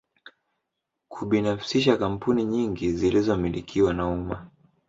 Kubinafsisha kampuni nyingi zilizomilikiwa na umma